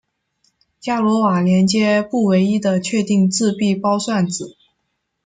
伽罗瓦连接不唯一的确定自闭包算子。